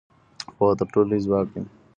پوهه تر ټولو لوی ځواک دی.